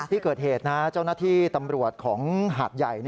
ที่เกิดเหตุนะเจ้าหน้าที่ตำรวจของหาดใหญ่